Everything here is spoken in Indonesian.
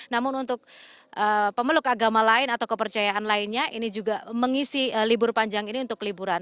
namun untuk pemeluk agama lain atau kepercayaan lainnya ini juga mengisi libur panjang ini untuk liburan